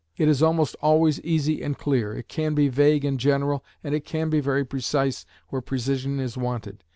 It is almost always easy and clear; it can be vague and general, and it can be very precise where precision is wanted.